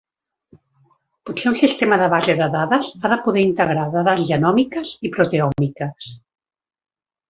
Potser un sistema de base de dades ha de poder integrar dades genòmiques i proteòmiques.